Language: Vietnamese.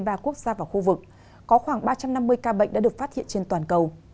trong hai mươi ba quốc gia và khu vực có khoảng ba trăm năm mươi ca bệnh đã được phát hiện trên toàn cầu